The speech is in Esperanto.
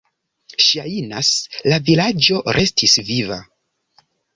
Ŝajnas, la vilaĝo restis viva.